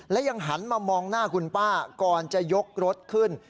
และยังหันมามองหน้าคุณป้าก่อนจะยกรถขึ้น